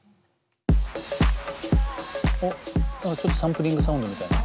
何かちょっとサンプリングサウンドみたいな。